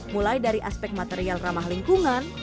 mulai dari aspek material ramah lingkungan